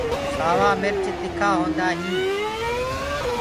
سوآ مرچ تِکآ هوندآ هينٚ۔